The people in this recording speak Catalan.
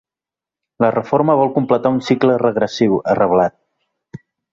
La reforma vol completar un cicle regressiu, ha reblat.